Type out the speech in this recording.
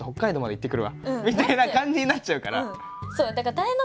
みたいな感じになっちゃうから。